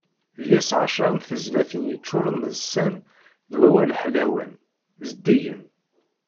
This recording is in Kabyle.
Deg-s εecra n tezlatin yeččuren d sser d wawal ḥlawen, zeddigen.